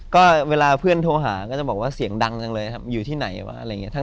ก็เวลาเพื่อนโทรหาก็จะบอกว่าเสียงดังจังเลยครับอยู่ที่ไหนวะอะไรอย่างนี้